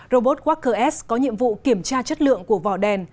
robot walker s có nhiệm vụ kiểm tra chất lượng của vỏ đèn